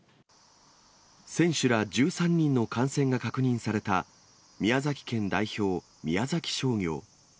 選手ら１３人の感染が確認された、宮崎県代表、宮崎商業。